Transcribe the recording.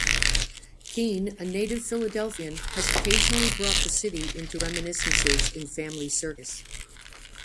Keane, a native Philadelphian, has occasionally brought the city into reminiscences in "Family Circus".